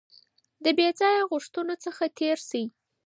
د بې ځایه غوښتنو څخه تېر شئ.